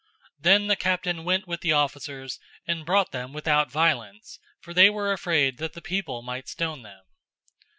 005:026 Then the captain went with the officers, and brought them without violence, for they were afraid that the people might stone them.